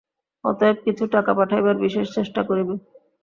অতএব কিছু টাকা পাঠাইবার বিশেষ চেষ্টা করিবে।